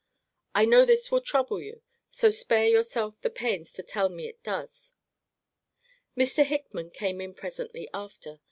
I know this will trouble you: so spare yourself the pains to tell me it does. Mr. Hickman came in presently after.